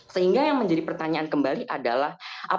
sehingga yang menjadi pertanyaan kembali adalah